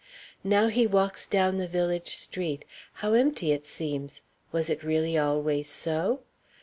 Now he walks down the village street. How empty it seems! was it really always so?